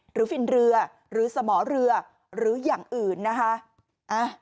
ฟินเรือหรือสมอเรือหรืออย่างอื่นนะคะ